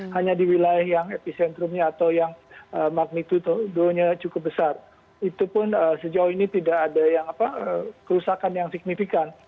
hanya di wilayah yang epicentrumnya atau yang magnitudonya cukup besar itu pun sejauh ini tidak ada yang kerusakan yang signifikan